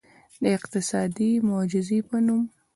د اقتصادي معجزې په نوم.